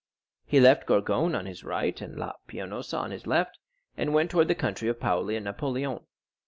He left Gorgone on his right and La Pianosa on his left, and went towards the country of Paoli and Napoleon.